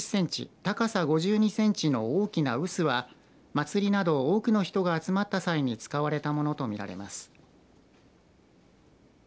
高さ５２センチの大きな臼は祭りなど多くの人が集まった際に使われたものと見られます。